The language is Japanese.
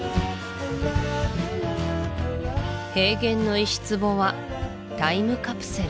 平原の石壺はタイムカプセル